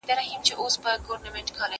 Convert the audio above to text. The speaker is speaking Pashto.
زه به سبا د سبا لپاره د يادښتونه ترتيب کړم